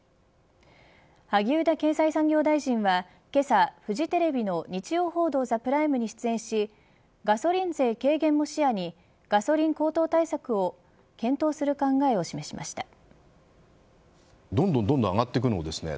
萩生田経済産業大臣はけさ、フジテレビの日曜報道ＴＨＥＰＲＩＭＥに出演しガソリン税軽減も視野にガソリン高騰対策を検討する考えを示しました。